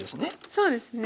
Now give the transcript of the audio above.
そうですね。